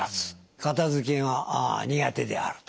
片付けが苦手であると。